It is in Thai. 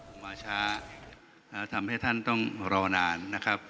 มาช้าทำให้ท่านต้องรอนานนะครับ